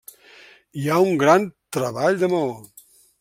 Hi ha un gran treball de maó.